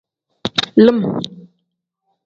Lim.